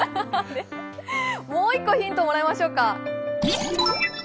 もう１個ヒントもらいましょうか。